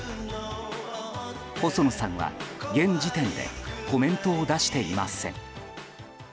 細野さんは現時点でコメントを出していません。